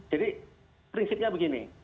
jadi prinsipnya begini